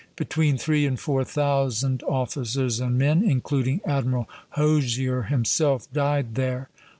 Between three and four thousand officers and men, including Admiral Hosier himself, died there.